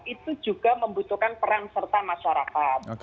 itu juga membutuhkan peran serta masyarakat